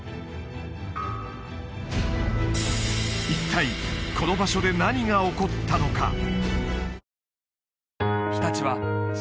一体この場所で何が起こったのか？